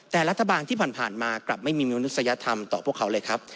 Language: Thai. แต่รัฐบาลที่ผ่านมากลับไม่มีมนุษยธรรมต่อพวกเขาเลยครับ